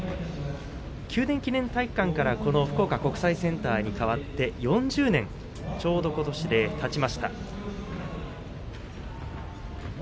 九電記念体育館からこの福岡国際センターにかわって４０年ちょうどことしでたちました。